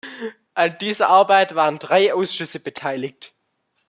An dieser Arbeit waren drei Ausschüsse beteiligt.